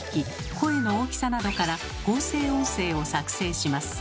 声の大きさなどから合成音声を作製します。